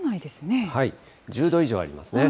１０度以上ありますね。